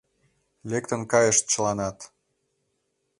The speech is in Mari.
Лектын кайышт чыланат.